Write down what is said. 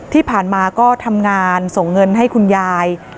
ที่ผ่านมาก็ทำงานส่งเงินให้คุณยาย